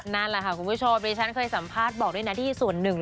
นั่นแหละค่ะคุณผู้ชมดิฉันเคยสัมภาษณ์บอกด้วยนะที่ส่วนหนึ่ง